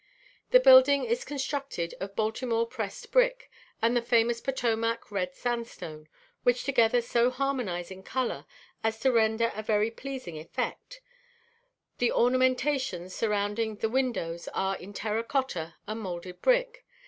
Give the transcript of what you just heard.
The building is constructed of Baltimore pressed brick and the famous Potomac red sandstone, which together so harmonize in color as to render a very pleasing effect; the ornamentations surrounding the windows are in terra cotta and moulded brick.